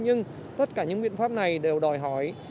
nhưng tất cả những biện pháp này đều đòi hỏi